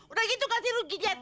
udah gitu ganti ruginya